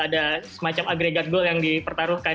ada semacam agregat goal yang dipertaruhkan